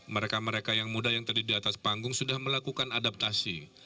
mereka mereka yang muda yang tadi di atas panggung sudah melakukan adaptasi